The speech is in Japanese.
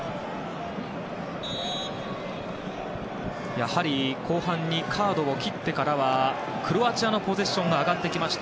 やはり後半にカードを切ってからはクロアチアのポゼッションが上がってきました。